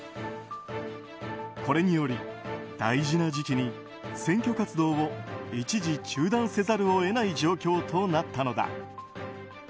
これにより大事な時期に選挙活動を一時中断せざるを得ない状況となったのだ。